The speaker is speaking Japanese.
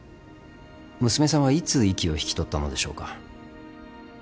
娘さんはいつ息を引き取ったのでしょうか。